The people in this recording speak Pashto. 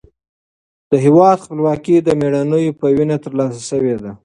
د هېواد خپلواکي د مېړنیو په وینه ترلاسه شوې ده.